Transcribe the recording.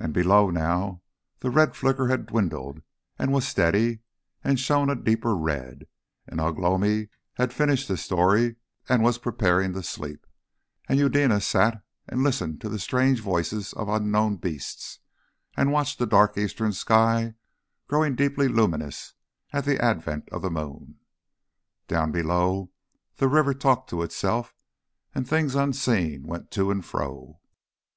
And below now, the red flicker had dwindled and was steady, and shone a deeper red, and Ugh lomi had finished his story and was preparing to sleep, and Eudena sat and listened to the strange voices of unknown beasts, and watched the dark eastern sky growing deeply luminous at the advent of the moon. Down below, the river talked to itself, and things unseen went to and fro.